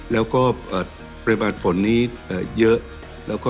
แล้วก็ปริมาณฝนนี้เยอะ